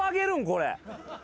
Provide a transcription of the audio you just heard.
これ。